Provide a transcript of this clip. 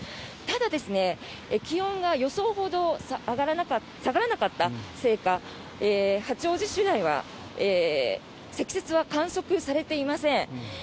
ただ、気温が予想ほど下がらなかったせいか八王子市内は積雪は観測されていません。